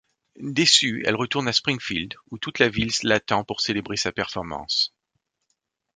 Déçue, elle retourne à Springfield où toute la ville l'attend pour célébrer sa performance.